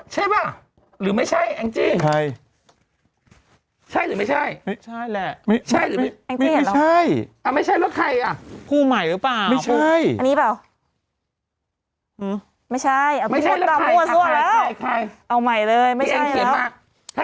ใช่หรือไม่ใช่ไม่ใช่พูดใหม่หรือเปล่าอันนี้เปล่าไม่ใช่เอาใหม่เลยไม่ใช่แล้ว